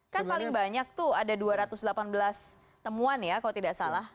kan paling banyak tuh ada dua ratus delapan belas temuan ya kalau tidak salah